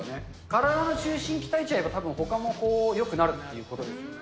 体の中心鍛えちゃえば、たぶんほかもよくなるっていうことですよね。